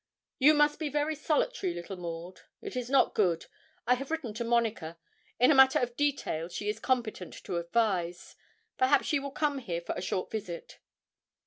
'You must be very solitary, little Maud; it is not good. I have written to Monica: in a matter of detail she is competent to advise; perhaps she will come here for a short visit.'